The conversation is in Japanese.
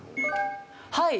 はい。